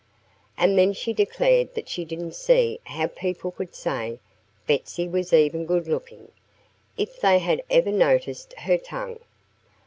And then she declared that she didn't see how people could say Betsy was even good looking, if they had ever noticed her tongue.